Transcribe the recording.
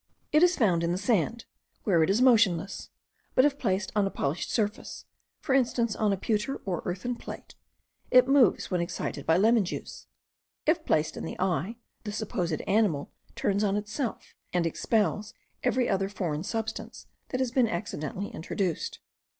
It is found in the sand, where it is motionless; but if placed on a polished surface, for instance on a pewter or earthen plate, it moves when excited by lemon juice. If placed in the eye, the supposed animal turns on itself, and expels every other foreign substance that has been accidentally introduced.